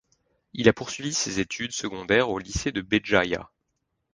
Il a poursuivi ses études secondaires au lycée de Béjaïa.